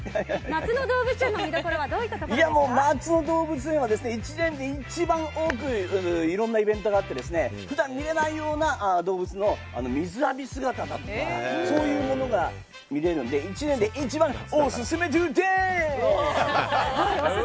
夏の動物園は１年で一番多くいろんなイベントがあって普段見れないような動物の水浴び姿だとかそういうものが見れるので１年で一番オススメです！